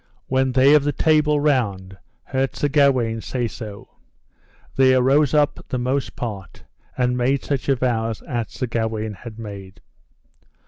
When they of the Table Round heard Sir Gawaine say so, they arose up the most part and made such avows as Sir Gawaine had made.